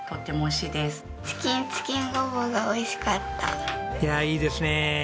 いやあいいですね。